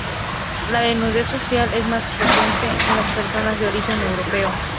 La desnudez social es más frecuente en las personas de origen Europeo.